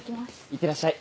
いってらっしゃい。